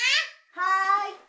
はい。